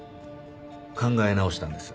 考え直したんです。